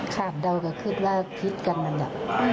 คาดเดาก็คือว่าพิษกันมั้ยล่ะ